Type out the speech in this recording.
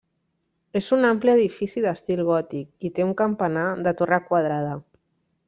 És un ampli edifici d'estil gòtic i té un campanar de torre quadrada.